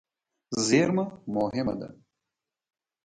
زېرمه مهمه ده.